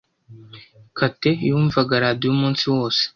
Kate yumvaga radio umunsi wose.